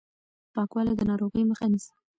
پاکوالی د ناروغۍ مخه نيسي.